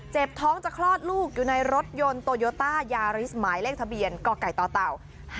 ท้องจะคลอดลูกอยู่ในรถยนต์โตโยต้ายาริสหมายเลขทะเบียนกไก่ต่อเต่า๕๗